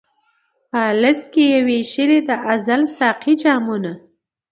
په الست کي یې وېشلي د ازل ساقي جامونه